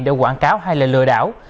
để quảng cáo hay lừa đảo